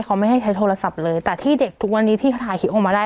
เขาไม่ให้ใช้โทรศัพท์เลยแต่ที่เด็กทุกวันนี้ที่เขาถ่ายคลิปออกมาได้